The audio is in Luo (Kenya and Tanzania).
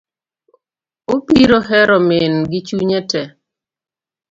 Obiro hero min gi chunye tee.